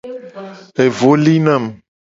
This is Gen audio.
Evo li nam.